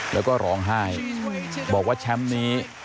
แล้วก็ร้องไห้บอกว่าแชมป์นี้